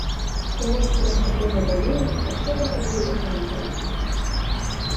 Тимошка, ночко презе гай лийын, пыкше гына йолжым тарватылаш тӧча.